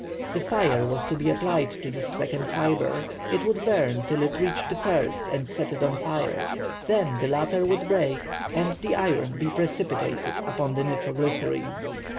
The fire was to be applied to this second fibre, it would burn till it reached the first and set it on fire, then the latter would break and the iron be precipitated upon the nitro glycerine.